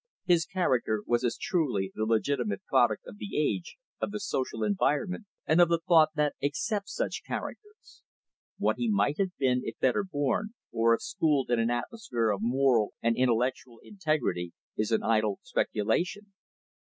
His character was as truly the legitimate product of the age, of the social environment, and of the thought that accepts such characters. What he might have been if better born, or if schooled in an atmosphere of moral and intellectual integrity, is an idle speculation.